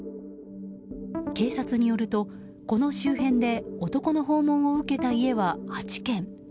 警察によると、この周辺で男の訪問を受けた家は８軒。